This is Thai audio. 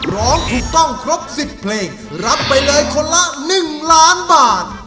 ร้องถูกต้องครบ๑๐เพลงรับไปเลยคนละ๑ล้านบาท